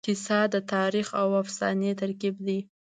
کیسه د تاریخ او افسانې ترکیب دی.